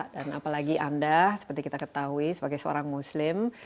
dan apalagi anda seperti kita ketahui sebagai seorang muslim